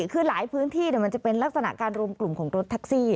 คือหลายพื้นที่มันจะเป็นลักษณะการรวมกลุ่มของรถแท็กซี่